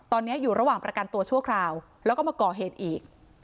ตอนนี้อยู่ระหว่างประกันตัวชั่วคราวแล้วก็มาก่อเหตุอีก